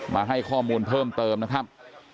มาให้ข้อมูลเพิ่มเติมนะครับ